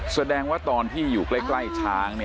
แสดงว่าตอนที่อยู่ใกล้ช้าง